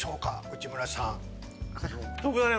内村さん。